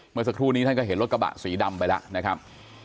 เมื่อสักครู่นี้ท่านก็เห็นรถกระบะสีดำไปแล้วนะครับ